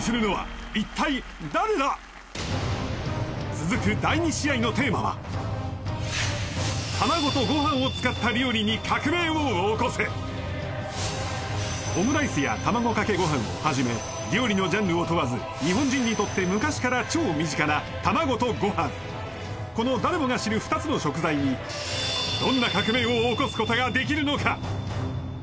続く第二試合のテーマはオムライスや卵かけご飯をはじめ料理のジャンルを問わず日本人にとって昔から超身近な卵とご飯この誰もが知る２つの食材にどんな革命を起こすことができるのか？